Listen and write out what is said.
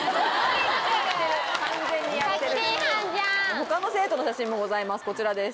他の生徒の写真もございます